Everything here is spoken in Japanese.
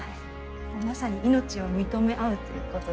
まさに命を認め合うということ。